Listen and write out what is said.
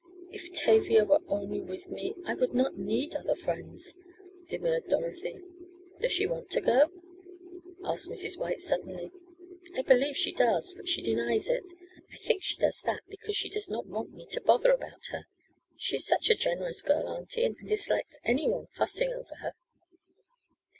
"If Tavia were only with me I would not need other friends," demurred Dorothy. "Does she want to go?" asked Mrs. White suddenly. "I believe she does, but she denies it. I think she does that because she does not want me to bother about her. She is such a generous girl, auntie, and dislikes any one fussing over her."